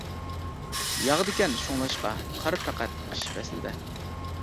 ياغىدىكەن شۇڭلاشقا، قار پەقەت قىش پەسلىدە.